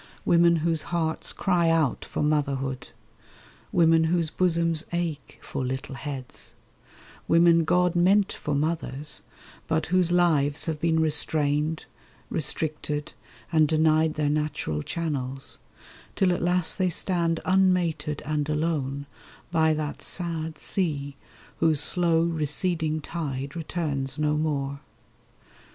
Women whose hearts cry out for motherhood; Women whose bosoms ache for little heads; Women God meant for mothers, but whose lives Have been restrained, restricted, and denied Their natural channels, till at last they stand Unmated and alone, by that sad sea Whose slow receding tide returns no more.